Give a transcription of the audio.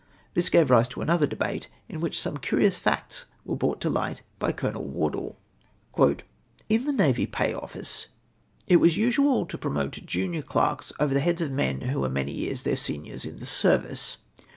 This gave rise to another debate, in which some curious facts were brought to' hght by Colonel Wardle: —" lu the Navy Pay Office it was usual to promote junior clerks over the heads of men who were many years their seniors in the service.